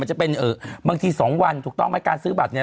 จะเป็นบางที๒วันถูกต้องไหมการซื้อบัตรเนี่ย